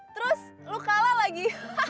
terus lu kalah lagi